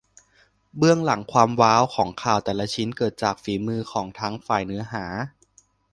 เบื้องหลังความว้าวของข่าวแต่ละชิ้นเกิดจากฝีมือของทั้งฝ่ายเนื้อหา